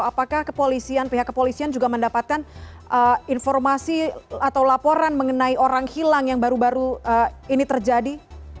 apakah kepolisian pihak kepolisian juga mendapatkan informasi atau laporan mengenai orang hilang yang baru baru ini terjadi